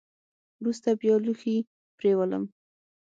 وروسته بیا لوښي پرېولم .